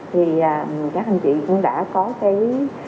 thì các anh chị cũng đã có cái